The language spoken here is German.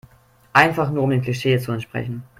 Einfach nur um dem Klischee zu entsprechen.